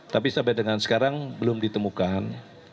tapi sampai dengan sekarang belum ditemukan